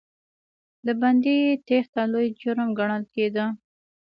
د بندي تېښته لوی جرم ګڼل کېده.